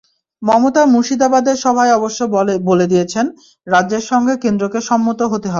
মমতা মুর্শিদাবাদের সভায় অবশ্য বলে দিয়েছেন, রাজ্যের সঙ্গে কেন্দ্রকে সম্মত হতে হবে।